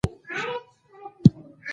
د مرارت کمول د انساني کرامت برخه ده.